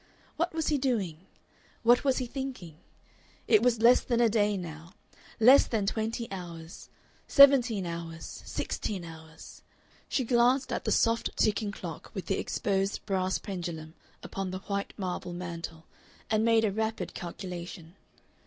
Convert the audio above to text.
What was he doing? What was he thinking? It was less than a day now, less than twenty hours. Seventeen hours, sixteen hours. She glanced at the soft ticking clock with the exposed brass pendulum upon the white marble mantel, and made a rapid calculation.